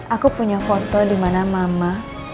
aku punya foto dimana mama